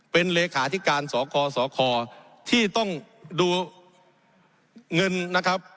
เป็นเลขาธิการสกสคที่ต้องดูเงินนะครับ